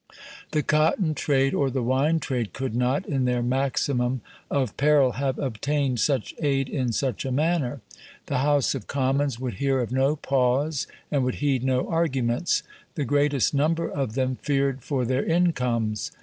The cotton trade or the wine trade could not, in their maximum of peril, have obtained such aid in such a manner. The House of Commons would hear of no pause and would heed no arguments. The greatest number of them feared for their incomes.